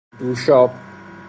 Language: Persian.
دوشاب